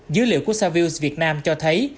dữ liệu của savius việt nam cho thấy